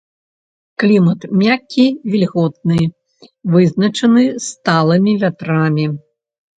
Клімат мяккі вільготны, вызначаны сталымі вятрамі.